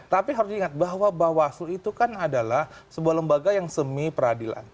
tapi harus diingat bahwa bawaslu itu kan adalah sebuah lembaga yang semi peradilan